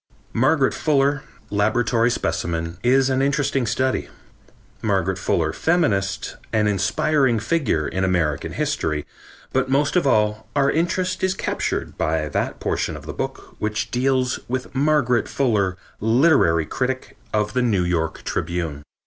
Margaret Fuller, laboratory specimen, is an interesting study; Margaret Fuller, feminist, an inspiring figure in American history; but most of all our interest is captured by that portion of the book which deals with Margaret Fuller, literary critic of The New York Tribune.